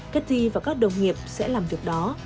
cathy và các đồng nghiệp sẽ làm việc đó